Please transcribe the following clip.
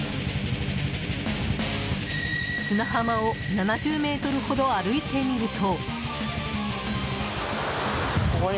砂浜を７０ｍほど歩いてみると。